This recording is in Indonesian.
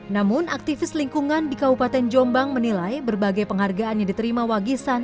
namun aktivis lingkungan di kabupaten jombang menilai berbagai penghargaan yang diterima wagisan